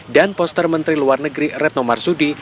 dan poster menteri luar negeri retno marsudi